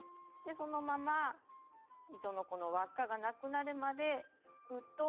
そのまま糸のこの輪っかがなくなるまで引くと。